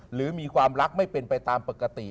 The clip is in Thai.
หรือมีความรักไม่เป็นไปตามปกติ